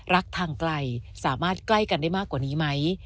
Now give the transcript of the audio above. ทางไกลสามารถใกล้กันได้มากกว่านี้ไหม